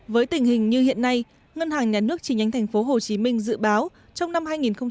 với tình hình như hiện nay ngân hàng nhà nước chỉ nhánh thành phố hồ chí minh dự báo trong năm hai nghìn một mươi bảy